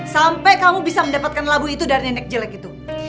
sampai kamu bisa mendapatkan labu itu dari nenek jelek itu